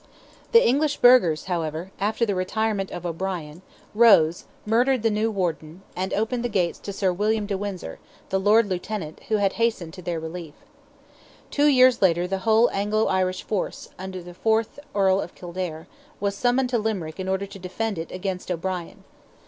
The English burghers, however, after the retirement of O'Brien, rose, murdered the new Warden, and opened the gates to Sir William de Windsor, the Lord Lieutenant, who had hastened to their relief. Two years later the whole Anglo Irish force, under the fourth Earl of Kildare, was, summoned to Limerick, in order to defend it against O'Brien.